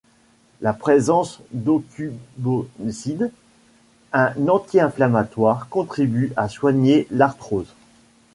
La présence d'aucuboside, un anti-inflammatoire, contribue à soigner l'arthrose.